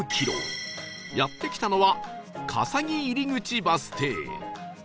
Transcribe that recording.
やって来たのは笠木入口バス停